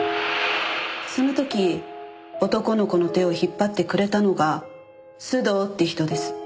その時男の子の手を引っ張ってくれたのが須藤って人です。